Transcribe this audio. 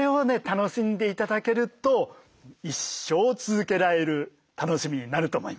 楽しんで頂けると一生続けられる楽しみになると思います。